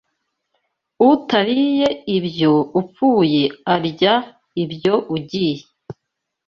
Utariye ibyo upfuye arya ibyo ugiye